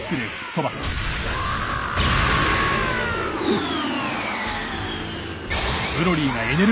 フッ。